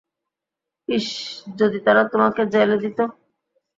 ইশশ, যদি তারা তোমাকে জেলে দিত।